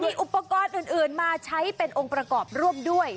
มีอุปกรณ์อื่นมาใช้เป็นองค์ประกอบร่วมด้วย